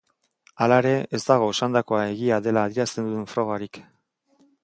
Hala ere, ez dago esandakoa egia dela adierazten duen frogarik.